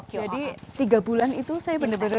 jadi tiga bulan itu saya benar benar